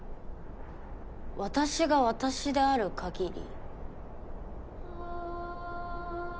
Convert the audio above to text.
私が私である限り？